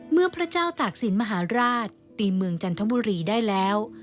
เมื่อพระเจ้าตากศิลปมหาราชตีเมืองจันทบุรีได้แล้ว